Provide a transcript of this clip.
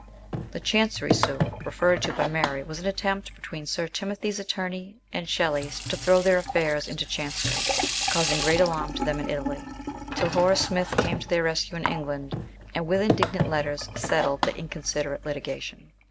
The Chancery suit referred to by Mary was an attempt between Sir Timothy's attorney and Shelley's to throw their affairs into Chancery, causing great alarm to them in Italy, till Horace Smith came to their rescue in England, and with indignant letters settled the inconsiderate litigation.